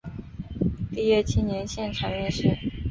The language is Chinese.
毕业青年现场面试